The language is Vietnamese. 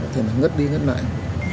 thì nó ngất đi ngất lại